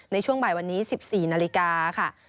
ในช่วงบ่ายวันนี้๑๔นาฬิกาค่ะ